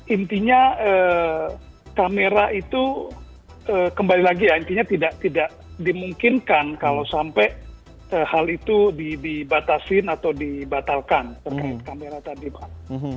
intinya kamera itu kembali lagi ya intinya tidak dimungkinkan kalau sampai hal itu dibatasin atau dibatalkan terkait kamera tadi pak